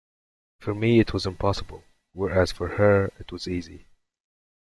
For me it was impossible, whereas for her it was easy.